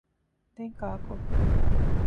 ދެން ކާކު؟